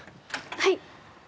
はい。